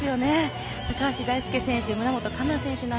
高橋大輔選手、村元哉中選手。